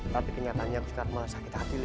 tapi kenyataannya aku sekarang malah sakit hati li